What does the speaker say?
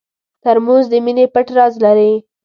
ترموز د مینې پټ راز لري.